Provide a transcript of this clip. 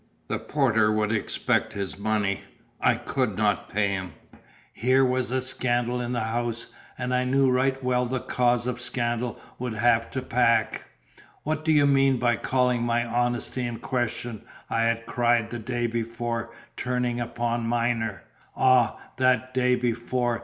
The porter would expect his money; I could not pay him; here was scandal in the house; and I knew right well the cause of scandal would have to pack. "What do you mean by calling my honesty in question?" I had cried the day before, turning upon Myner. Ah, that day before!